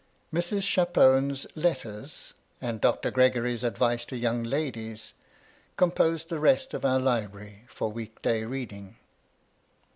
" Mrs. Chapone's Letters" and " Dr. Gregory's Advice to Young Ladies " composed the rest of our library for week day reading.